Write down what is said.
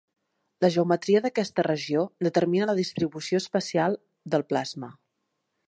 La geometria d'aquesta regió determina la distribució espacial del plasma.